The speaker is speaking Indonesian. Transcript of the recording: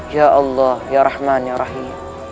ya allah ya rahman yang rahim